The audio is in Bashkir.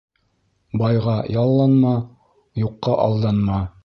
Байға ялланма, юҡҡа алданма.